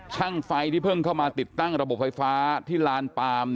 ช่างไฟที่เพิ่งเข้ามาติดตั้งระบบไฟฟ้าที่ลานปาล์ม